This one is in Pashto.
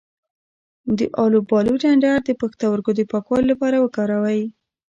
د الوبالو ډنډر د پښتورګو د پاکوالي لپاره وکاروئ